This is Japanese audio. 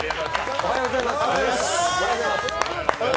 おはようございます。